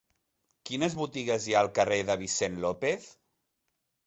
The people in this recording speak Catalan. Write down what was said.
Quines botigues hi ha al carrer de Vicent López?